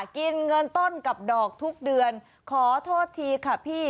กินเงินต้นกับดอกทุกเดือนขอโทษทีค่ะพี่